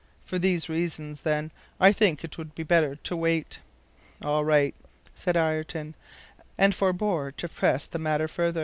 For these reasons, then, I think it would be better to wait." "All right," said Ayrton, and forbore to press the matter further.